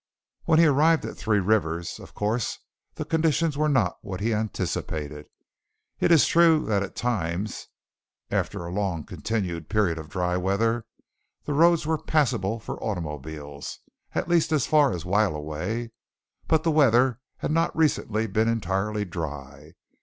When he arrived at Three Rivers, of course the conditions were not what he anticipated. It is true that at times, after a long continued period of dry weather, the roads were passable for automobiles, at least as far as While a Way, but the weather had not recently been entirely dry.